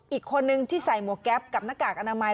อีกคนนึงที่ใส่หมวกแก๊ปกับหน้ากากอนามัย